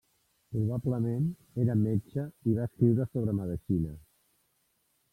Probablement era metge i va escriure sobre medicina.